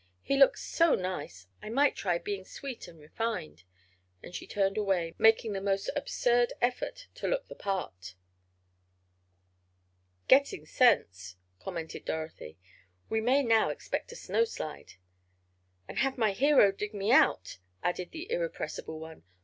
He looks so nice—I might try being sweet and refined," and she turned away, making the most absurd effort to look the part. "Getting sense," commented Dorothy. "We may now expect a snowslide." "And have my hero dig me out," added the irrepressible one.